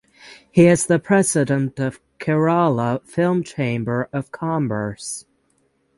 He is the President of Kerala Film Chamber of Commerce.